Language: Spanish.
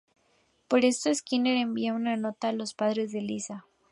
Por esto, Skinner envía una nota a los padres de Lisa.